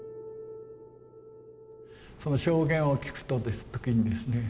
証言を聞く時にですね